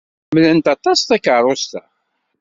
Ḥemmlent aṭas takeṛṛust-a.